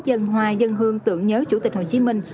dân hoa dân hương tượng nhớ chủ tịch hồ chí minh